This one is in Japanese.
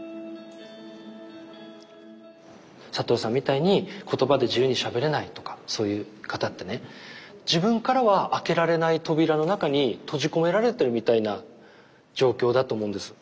覚さんみたいに言葉で自由にしゃべれないとかそういう方ってね自分からは開けられない扉の中に閉じ込められてるみたいな状況だと思うんです。